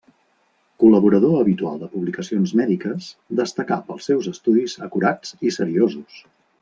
Col·laborador habitual de publicacions mèdiques, destacà pels seus estudis acurats i seriosos.